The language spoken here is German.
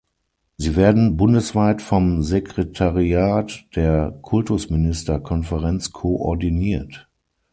Sie werden bundesweit vom Sekretariat der Kultusministerkonferenz koordiniert.